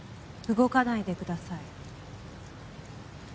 動かないでください